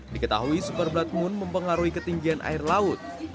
diketahui super blood moon mempengaruhi ketinggian air laut